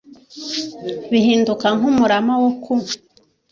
bihinduka nk umurama wo ku